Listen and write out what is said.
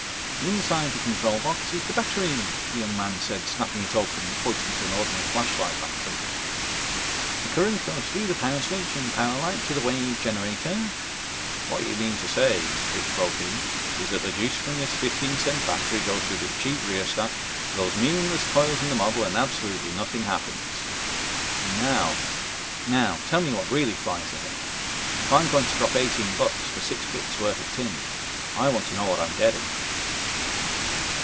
"Inside the control box is the battery," the young man said, snapping it open and pointing to an ordinary flashlight battery. "The current goes through the Power Switch and Power Light to the Wave Generator ..." "What you mean to say," Biff broke in, "is that the juice from this fifteen cent battery goes through this cheap rheostat to those meaningless coils in the model and absolutely nothing happens. Now tell me what really flies the thing. If I'm going to drop eighteen bucks for six bits worth of tin, I want to know what I'm getting."